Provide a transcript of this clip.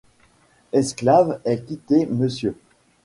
Esclave ait quitté Mr.